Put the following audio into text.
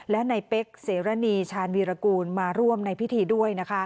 และในเป๊กเสรณีชาญวีรกูลมาร่วมในพิธีด้วย